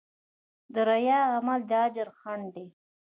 د ریا عمل د اجر خنډ دی.